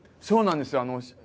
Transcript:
そうなんですよ。